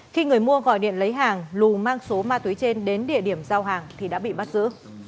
khi người mua gọi điện lấy hàng lù mang số ma túy trên đến địa điểm giao hàng thì đã bị bắt giữ